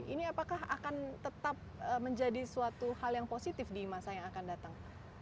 ini apakah akan tetap menjadi suatu hal yang positif di masa yang akan datang